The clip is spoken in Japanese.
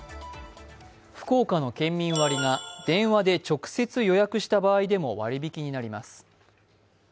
福岡の県民割が電話で直接予約した場合でも割引になります。